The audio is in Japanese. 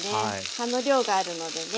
葉の量があるのでね。